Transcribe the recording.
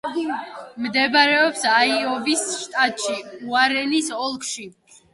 მდებარეობს აიოვის შტატში, უორენის ოლქში.